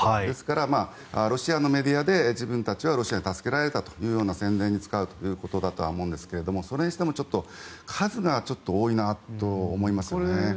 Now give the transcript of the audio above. ですから、ロシアのメディアで自分たちはロシアに助けられたという宣伝に使うということだと思いますがそれにしても数が多いなと思いますね。